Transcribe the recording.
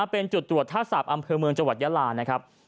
เป็นจุดตรวจท่าสาปอำเภอเมืองจังหวัดยาลานะครับ